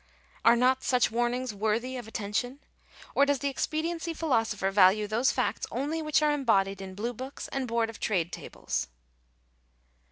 Are not such warnings worthy of attention ? Or does the expe diency philosopher value those facts only which are embodied in Blue books and Board of Trade tables